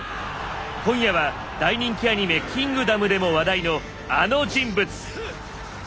今夜は大人気アニメ「キングダム」でも話題のあの人物！